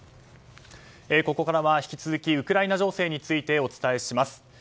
ここからは引き続きウクライナ情勢についてお伝えします。